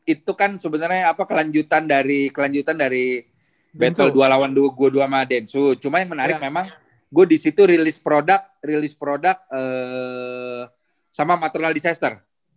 itu kan sebenarnya apa kelanjutan dari battle dua lawan dua dua dua sama densu cuma yang menarik memang gue disitu rilis produk sama maternal disaster